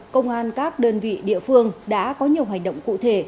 công an các đơn vị địa phương đã có nhiều hành động cụ thể